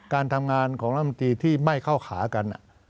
การทำงานของรัฐมนตรีที่ไม่เข้าขากัน